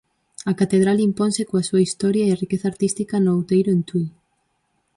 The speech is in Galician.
A Catedral imponse coa súa historia e riqueza artística no outeiro en Tui.